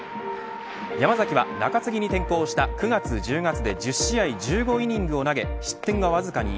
山崎は中継ぎに転向した９月、１０月で１０試合１５イニングを投げ失点はわずか１。